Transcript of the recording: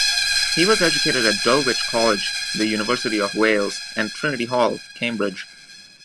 He was educated at Dulwich College, the University of Wales and Trinity Hall, Cambridge.